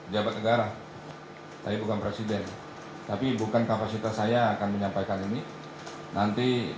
jabat negara tapi bukan presiden tapi bukan kapasitas saya akan menyampaikan ini nanti